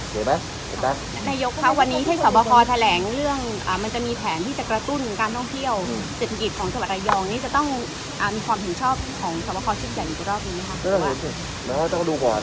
ใช่แต่เอางี้ต้องดูก่อน